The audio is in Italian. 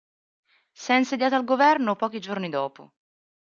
Si è insediato al Governo pochi giorni dopo.